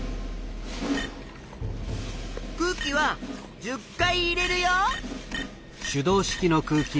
空気は１０回入れるよ。